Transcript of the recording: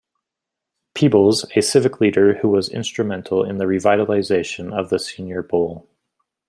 Peebles, a civic leader who was instrumental in the revitalization of the Senior Bowl.